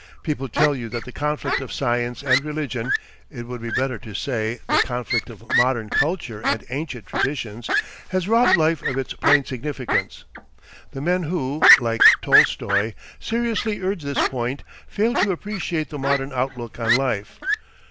People tell you that the conflict of science and religion it would be better to say, the conflict of modern culture and ancient traditions has robbed life of its plain significance. The men who, like Tolstoi, seriously urge this point fail to appreciate the modern outlook on life.